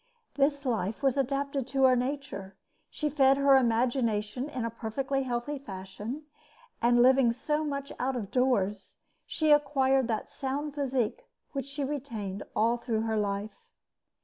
This life was adapted to her nature. She fed her imagination in a perfectly healthy fashion; and, living so much out of doors, she acquired that sound physique which she retained all through her life.